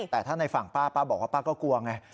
แต่ถ้าในฝั่งป้าป้าบอกว่าป้าก็กลัวไง